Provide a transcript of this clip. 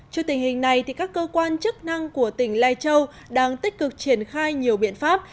trước tình hình này các cơ quan chức năng của tỉnh lai châu đang tích cực triển khai nhiều biện pháp